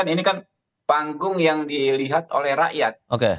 ini kan panggung yang dilihat oleh rakyat